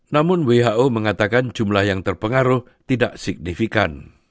namun who mengatakan jumlah yang terpengaruh tidak signifikan